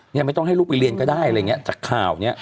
ยังไม่ต้องให้ลูกไปเรียนก็ได้อะไรอย่างนี้จากข่าวนี้